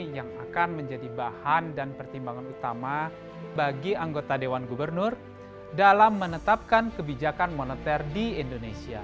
yang akan menjadi bahan dan pertimbangan utama bagi anggota dewan gubernur dalam menetapkan kebijakan moneter di indonesia